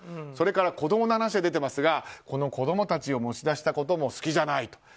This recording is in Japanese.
それから子供の話が出ていますが子供たちを持ち出したことも好きじゃないと。